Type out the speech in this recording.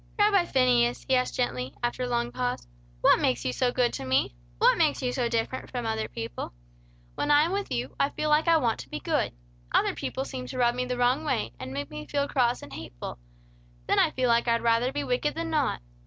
"Rabbi Phineas," he asked gently, after a long pause, "what makes you so good to me? What makes you so different from other people? While I am with you, I feel like I want to be good. Other people seem to rub me the wrong way, and make me cross and hateful; then I feel like I'd rather be wicked than not.